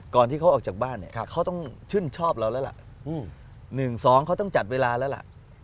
ก่อนที่เขาออกจากบ้านเนี่ยเขาต้องชื่นชอบเราแล้วล่ะ๑๒เขาต้องจัดเวลาแล้วล่ะ